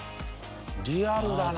リアルだな！